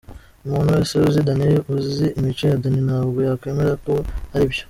Umuntu wese uzi Danny uzi imico ya Danny ntabwo yakwemera ko ari byo.